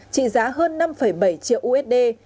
trị giá hơn năm bảy triệu usd